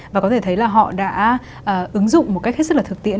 và có thể thấy là họ đã ứng dụng một cách rất là thực tiễn